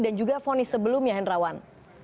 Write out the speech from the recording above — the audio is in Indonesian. dan juga vonis sebelumnya henrawan